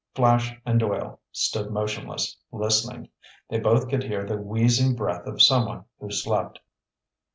Flash and Doyle stood motionless, listening. They both could hear the wheezing breath of someone who slept.